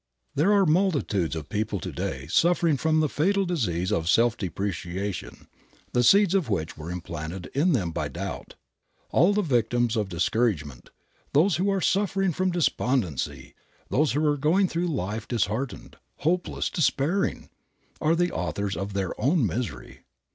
There are multitudes of people to day suffering from the fatal disease of self depreciation, the seeds of which were implanted in them by doubt. All the victims of discouragement, those who are suffering from despondency, those who are going through life disheartened, hopeless, despairing, are the authors of their own misery.